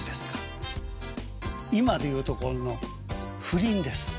今で言うところの「不倫」です。